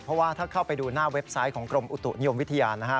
เพราะว่าถ้าเข้าไปดูหน้าเว็บไซต์ของกรมอุตุนิยมวิทยานะฮะ